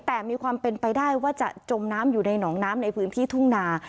แต่มีความเป็นไปได้ว่าจะจมน้ำอยู่ในหนองน้ำในพื้นที่ทุ่งนา